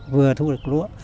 vừa thu được lúa